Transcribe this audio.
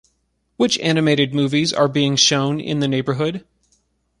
Which animated movies are being shown in the neighborhood?